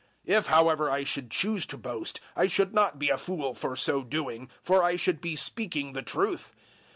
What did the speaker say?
012:006 If however I should choose to boast, I should not be a fool for so doing, for I should be speaking the truth.